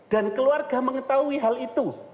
keluarga mengetahui hal itu